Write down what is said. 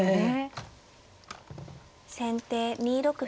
先手２六歩。